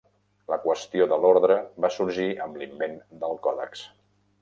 La qüestió de l'ordre va sorgir amb l'invent del còdex.